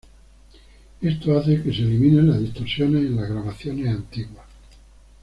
Esto hace que se eliminen las distorsiones en las grabaciones antiguas.